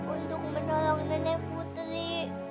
untuk menolong nenek putri